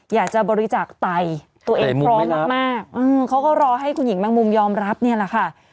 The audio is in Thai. อยากจะบริจาคไตตัวเองพร้อมมากเขาก็รอให้คุณหญิงแมงมุมยอมรับเนี่ยแหละค่ะ